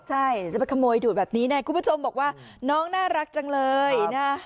ใช่จะไปขโมยดูดแบบนี้คุณผู้ชมบอกว่าน้องน่ารักจังเลย